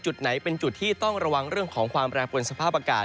จุดไหนเป็นจุดที่ต้องระวังเรื่องของความแปรปวนสภาพอากาศ